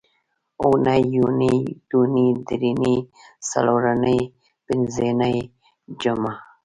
اونۍ، یونۍ، دونۍ، درېنۍ، څلورنۍ، پینځنۍ، جمعه